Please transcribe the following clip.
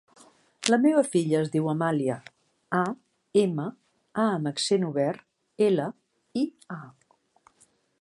La meva filla es diu Amàlia: a, ema, a amb accent obert, ela, i, a.